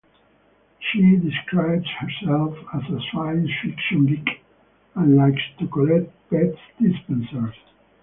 She describes herself as a science fiction geek and likes to collect Pez dispensers.